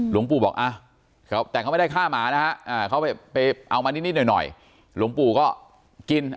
หลวงปู่บอกแต่เขาไม่ได้ฆ่าหมานะฮะเขาไปเอามานิดหน่อยหลวงปู่ก็กิน